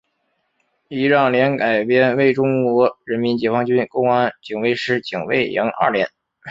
仪仗连改编为中国人民解放军公安警卫师警卫营二连。